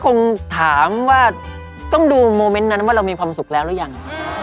คงถามว่าต้องดูโมเมนต์นั้นว่าเรามีความสุขแล้วหรือยัง